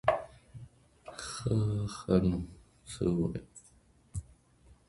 پسرلي راڅخه تېر سول، پر خزان غزل لیکمه!